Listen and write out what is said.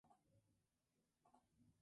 Ésta será su última película.